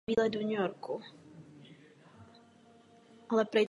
Z této funkce řídil po Mnichovském masakru operaci Boží hněv.